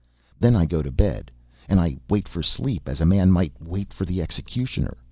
Then, I go to bed, and I wait for sleep as a man might wait for the executioner.